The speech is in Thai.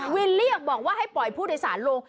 เรียกบอกว่าให้ปล่อยผู้โดยสารลง